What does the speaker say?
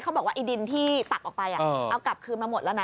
บอกว่าไอ้ดินที่ตักออกไปเอากลับคืนมาหมดแล้วนะ